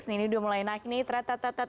ini udah mulai naik nih